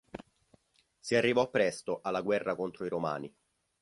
Si arrivò presto alla guerra contro i Romani.